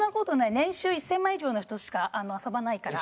年収１０００万以上の人としか遊ばないから。